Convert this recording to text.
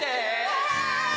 はい！